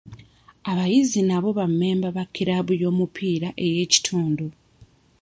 Abayizi nabo ba mmemba ba kiraabu y'omupiira ey'ekitundu.